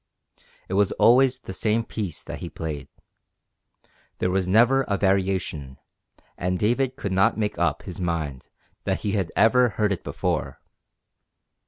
It was always the same piece that he played. There was never a variation, and David could not make up his mind that he had ever heard it before.